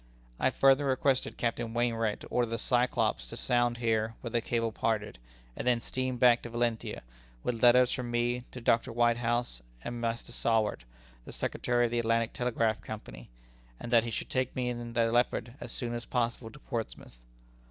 I further requested Captain Wainwright to order the Cyclops to sound here where the cable parted, and then steam back to Valentia, with letters from me to Dr. Whitehouse, and Mr. Saward, the secretary of the Atlantic Telegraph Company; and that he should take me in the Leopard as soon as possible to Portsmouth.